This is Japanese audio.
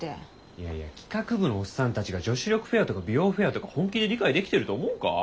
いやいや企画部のオッサンたちが女子力フェアとか美容フェアとか本気で理解できてると思うか？